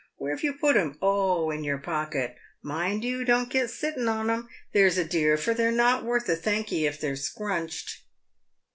Where' ve you put 'em ? Oh, in your pocket. Mind you don't get sitting on them, there's a dear, for they're not worth a thank'ee if they're scruntched."